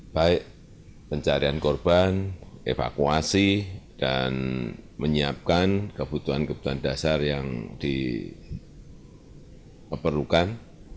baik pencarian korban evakuasi dan menyiapkan kebutuhan kebutuhan dasar yang diperlukan